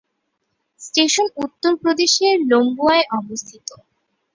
Station উত্তর প্রদেশের লম্বুয়ায় অবস্থিত।